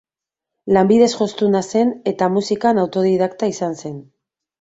Lanbidez jostuna zen eta musikan autodidakta izan zen.